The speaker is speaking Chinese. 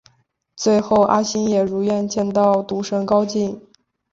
最后阿星也如愿见到赌神高进。